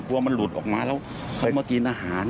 กลัวมันหลุดออกมาเขามากินอาหาร